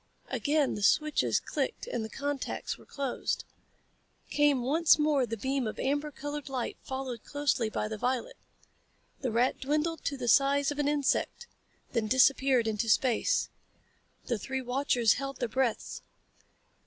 Again the switches clicked as the contacts were closed. Came once more the beam of amber colored light followed closely by the violet. The rat dwindled to the size of an insect, then disappeared into space. The three watchers held their breaths.